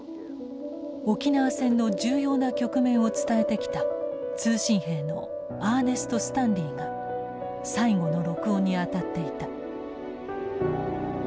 沖縄戦の重要な局面を伝えてきた通信兵のアーネスト・スタンリーが最後の録音に当たっていた。